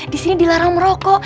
disini dilarang merokok